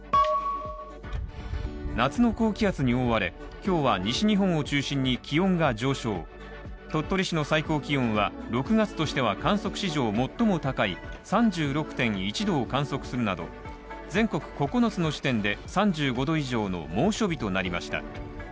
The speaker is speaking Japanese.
夏の高気圧に覆われ、今日は西日本を中心に気温が上昇、鳥取市の最高気温は、６月としては観測史上最も高い３６．１度を観測するなど、全国９つの地点で３５℃以上の猛暑日となりました。